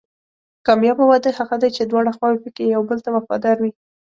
کامیابه واده هغه دی چې دواړه خواوې پکې یو بل ته وفادار وي.